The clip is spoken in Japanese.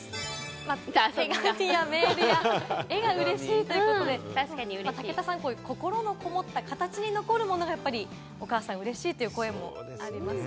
手紙やメールや絵がうれしいということで、武田さん、心のこもった形に残るもの、お母さん嬉しいという声がありますね。